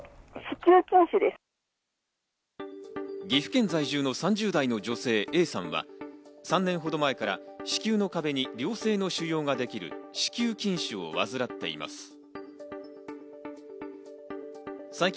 岐阜県在住の３０代の女性Ａさんは３年ほど前から子宮の壁に良性の腫瘍ができる子宮筋腫を患っています。